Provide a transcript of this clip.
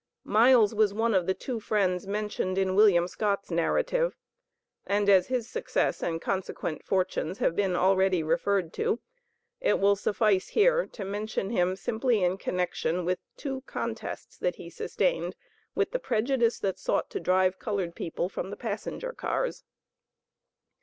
Miles was one of the two friends mentioned in Wm. Scott's narrative, and as his success and consequent fortunes have been already referred to, it will suffice here to mention him simply in connection with two contests that he sustained with the prejudice that sought to drive colored people from the passenger cars.